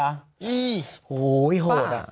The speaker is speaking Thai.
อี๊ยโห้ยโหดอ่ะ